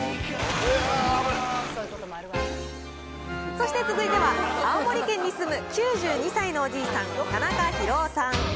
そして続いては、青森県に住む９２歳のおじいさん、田中博男さん。